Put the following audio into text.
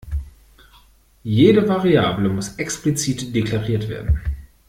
Jede Variable muss explizit deklariert werden.